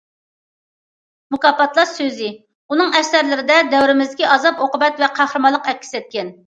مۇكاپاتلاش سۆزى:‹‹ ئۇنىڭ ئەسەرلىرىدە دەۋرىمىزدىكى ئازاب- ئوقۇبەت ۋە قەھرىمانلىق ئەكس ئەتكەن››.